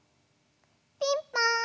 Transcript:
ピンポーン！